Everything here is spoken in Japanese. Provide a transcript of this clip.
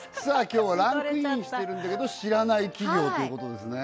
今日はランクインしてるんだけど知らない企業ということですね